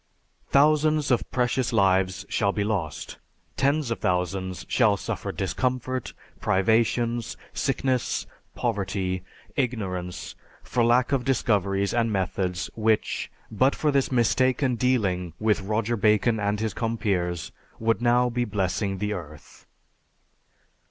Thousands of precious lives shall be lost, tens of thousands shall suffer discomfort, privations, sickness, poverty, ignorance, for lack of discoveries and methods which, but for this mistaken dealing with Roger Bacon and his compeers, would now be blessing the earth."